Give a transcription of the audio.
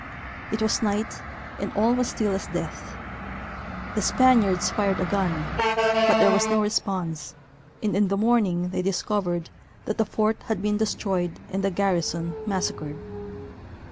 It was night, and all was still as death ; the Spaniards fired a gun, but there was no response, and in the morning they discovered thrift the fort had been destroyed and the garrison massacred.